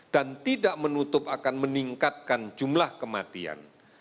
dan tidak menutup akan meningkatkan jumlah kematian